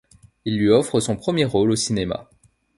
Il lui offre son premier rôle au cinéma.